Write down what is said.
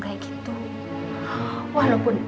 kayak gitu walaupun